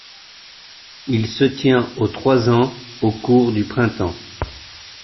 Il se tient au trois ans, au cours du printemps.